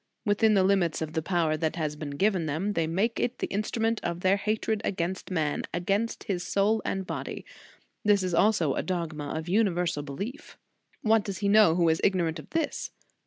Within the limits of the power that has been given them, they make it the instrument of their hatred against man, against his soul and body. This is also a dogma of universal belief. What does he know, who is ignorant of this?